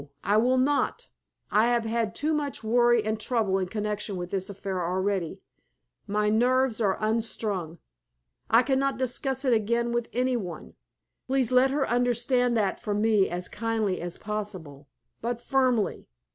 I will not! I have had too much worry and trouble in connection with this affair already. My nerves are all unstrung. I cannot discuss it again with any one. Please let her understand that from me as kindly as possible, but firmly.